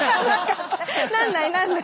なんないなんない！